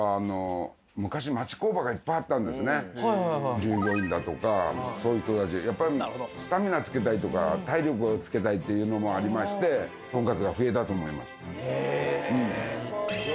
従業員だとかそういう人たちやっぱりスタミナつけたいとか体力をつけたいっていうのもありましてとんかつが増えたと思います。